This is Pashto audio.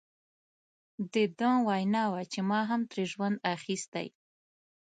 د ده وینا وه چې ما هم ترې ژوند اخیستی.